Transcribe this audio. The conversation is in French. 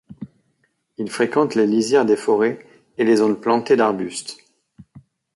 Il fréquente les lisières des forêts et les zones plantés d'arbustes.